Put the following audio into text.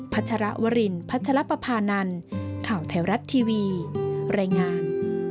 พัชรวรินพัชรปภานันข่าวไทยรัฐทีวีรายงาน